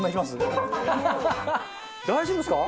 大丈夫ですか？